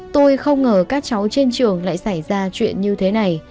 tôi không ngờ các cháu trên trường lại xảy ra những điều này